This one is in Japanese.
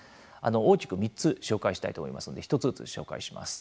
大きく３つ紹介したいと思いますので一つずつ紹介します。